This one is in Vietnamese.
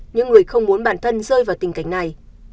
những người không muốn bản thân rơi vào tình cảnh này